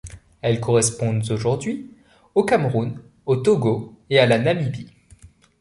Elles correspondent aujourd'hui au Cameroun, au Togo et à la Namibie.